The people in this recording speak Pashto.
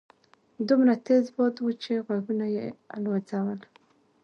دومره تېز باد وو چې غوږونه يې الوځول.